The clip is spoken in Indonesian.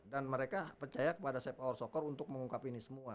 dan mereka percaya kepada sep aor soekar untuk mengungkapi ini semua